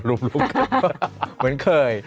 เหมือนเคย